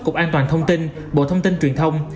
cục an toàn thông tin bộ thông tin truyền thông